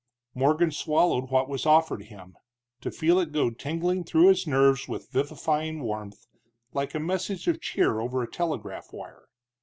Morgan swallowed what was offered him, to feel it go tingling through his nerves with vivifying warmth, like a message of cheer over a telegraph wire.